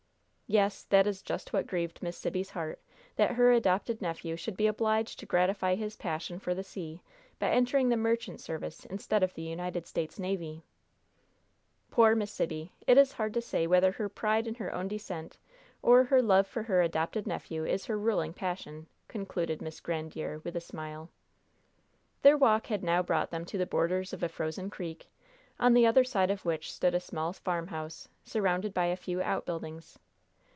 "Yet that is just what grieved Miss Sibby's heart that her adopted nephew should be obliged to gratify his passion for the sea by entering the merchant service instead of the United States Navy." "Poor Miss Sibby! It is hard to say whether her pride in her own descent or her love for her adopted nephew is her ruling passion," concluded Miss Grandiere, with a smile. Their walk had now brought them to the borders of a frozen creek, on the other side of which stood a small farmhouse, surrounded by a few outbuildings.